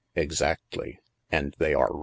" Exactly. And they are right."